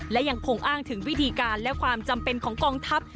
และยังคงอ้างถึงวิธีการและความจำเป็นของกองทัพ